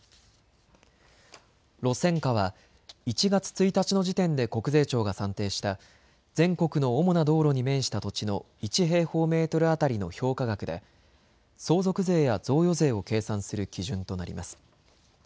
路線価は１月１日の時点で国税庁が算定した全国の主な道路に面した土地の１平方メートル当たりの評価額で相続税や贈与税を計算する基準となります。